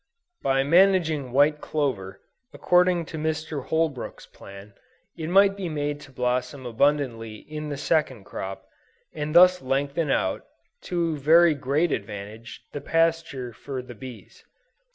By managing white clover, according to Mr. Holbrook's plan, it might be made to blossom abundantly in the second crop, and thus lengthen out, to very great advantage, the pasture for the bees.